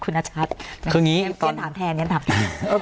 คุณอาชัตริย์เพื่อนถามแทนเพื่อนถามแทน